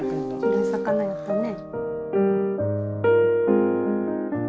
黄色い魚やったね。